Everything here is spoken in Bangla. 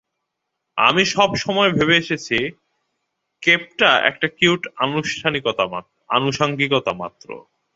আমি সবসময় ভেবে এসেছি কেপটা একটা কিউট আনুষঙ্গিকতা মাত্র।